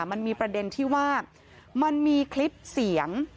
มันมีประเด็นที่ว่ามันมีคลิปเสียง